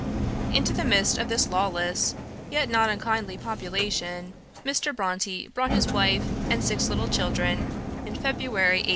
Into the midst of this lawless, yet not unkindly population, Mr. Bronte brought his wife and six little children, in February, 1820.